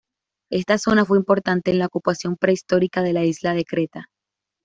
Esta zona fue importante en la ocupación prehistórica de la isla de Creta.